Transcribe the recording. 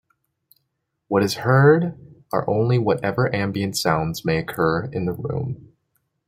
What is heard are only whatever ambient sounds may occur in the room.